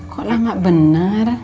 kok lah enggak benar